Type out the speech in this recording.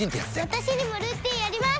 私にもルーティンあります！